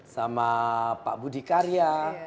sama pak budi karya